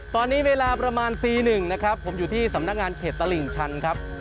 ตอนนี้เวลาประมาณตีหนึ่งนะครับผมอยู่ที่สำนักงานเขตตลิ่งชันครับ